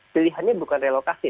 pilihannya bukan relokasi